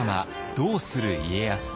「どうする家康」。